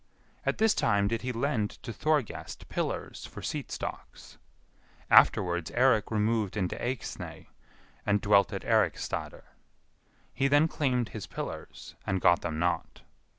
At this time did he lend to Thorgest pillars for seat stocks, Afterwards Eirik removed into Eyxney, and dwelt at Eiriksstadr. He then claimed his pillars, and got them not.